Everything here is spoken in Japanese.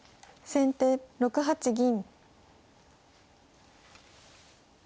先手４八銀。